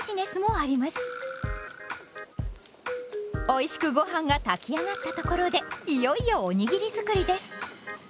おいしくごはんが炊き上がったところでいよいよおにぎり作りです。